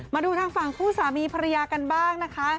มาดูทางฝั่งคู่สามีภรรยากันบ้างนะคะ